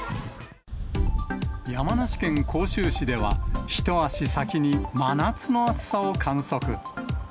山梨県甲州市では、一足先に真夏の暑さを観測。